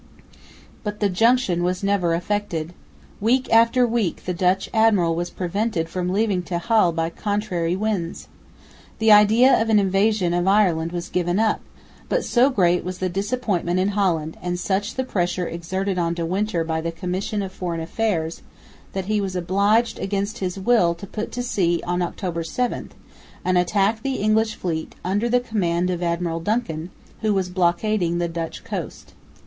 But the junction was never effected. Week after week the Dutch admiral was prevented from leaving the Texel by contrary winds. The idea of an invasion of Ireland was given up, but so great was the disappointment in Holland and such the pressure exerted on De Winter by the Commission of Foreign Affairs, that he was obliged against his will to put to sea on October 7, and attack the English fleet under the command of Admiral Duncan, who was blockading the Dutch coast.